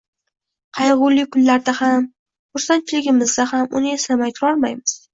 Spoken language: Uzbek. Qayg‘uli kunlarda ham, xursandchiligimizda ham uni eslamay turolmaymiz